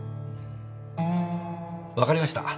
わかりました。